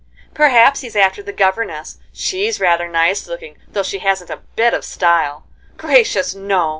"Perhaps he's after the governess; she's rather nice looking, though she hasn't a bit of style." "Gracious, no!